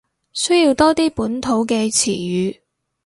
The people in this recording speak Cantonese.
需要多啲本土嘅詞語